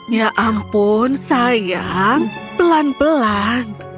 ya ampun sayang pelan pelan